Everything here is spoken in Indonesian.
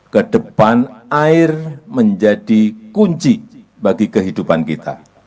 kedepan air menjadi kunci bagi kehidupan kita